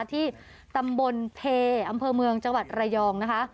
ที่ตำบลเพอำเภอเมืองจังหวัดระยองนะคะ